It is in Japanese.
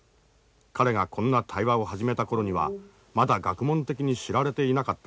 彼がこんな対話を始めた頃にはまだ学問的に知られていなかっただろう。